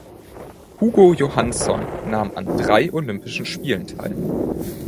Hugo Johansson nahm an drei Olympischen Spielen teil.